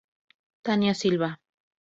Tania Silva.